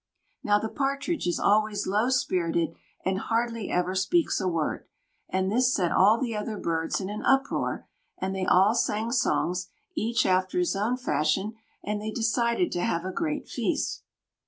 Now the Partridge is always low spirited and hardly ever speaks a word; and this set all the other birds in an uproar, and they all sang songs, each after his own fashion, and they decided to have a great feast.